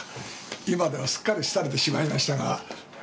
今ではすっかり廃れてしまいましたが。